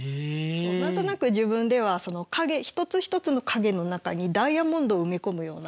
そう何となく自分では一つ一つの影の中にダイヤモンドを埋め込むような。